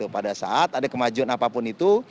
pada saat ada kemajuan apapun itu